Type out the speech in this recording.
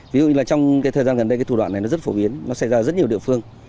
ví dụ như trong thời gian gần đây thủ đoạn này rất phổ biến nó xảy ra ở rất nhiều địa phương